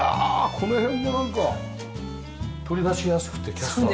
この辺もなんか取り出しやすくてキャスターで。